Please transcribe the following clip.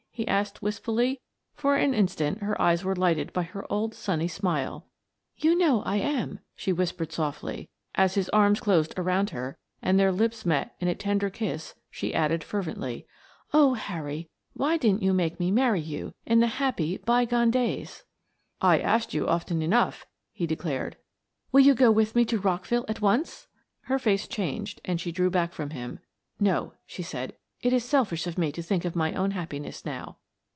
he asked wistfully. For an instant her eyes were lighted by her old sunny smile. "You know I am," she whispered softly. As his arms closed around her and their lips met in a tender kiss she added fervently, "Oh, Harry, why didn't you make me marry you in the happy bygone days?" "I asked you often enough," he declared. "Will you go with me to Rockville at once?" Her face changed and she drew back from him. "No," she said. "It is selfish of me to think of my own happiness now."